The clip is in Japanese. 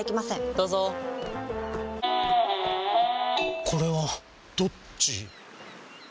どうぞこれはどっち？